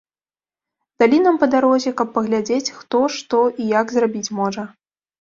Далі нам па дарозе, каб паглядзець, хто, што і як зрабіць можа.